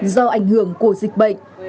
do ảnh hưởng của dịch bệnh